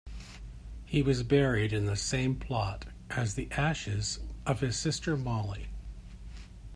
He was buried in the same plot as the ashes of his sister Molly.